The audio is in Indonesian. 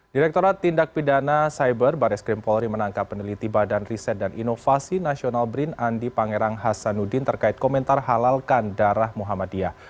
direkturat tindak pidana cyber baris krim polri menangkap peneliti badan riset dan inovasi nasional brin andi pangerang hasanuddin terkait komentar halalkan darah muhammadiyah